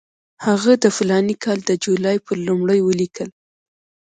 هغه د فلاني کال د جولای پر لومړۍ ولیکل.